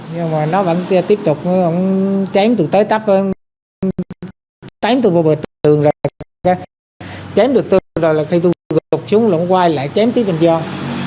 nhưng mà nó vẫn tiếp tục chém từ tới tập chém từ bờ tường rồi chém được tường rồi là khi tôi gọt xuống lỗng quay lại chém tiếp anh doan